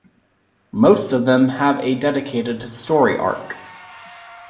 Most of them have a dedicated story arc.